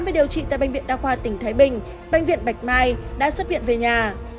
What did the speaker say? và điều trị tại bệnh viện đa khoa tỉnh thái bình bệnh viện bạch mai đã xuất viện về nhà